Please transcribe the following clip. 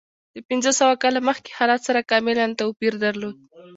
د پنځه سوه کاله مخکې حالت سره کاملا توپیر درلود.